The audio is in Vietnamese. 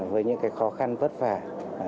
với những cái khó khăn vất vả